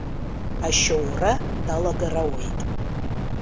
Ашьоура далагар ауеит.